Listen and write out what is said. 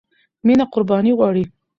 مینه قربانی غواړي.